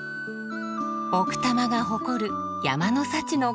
奥多摩が誇る山の幸の数々。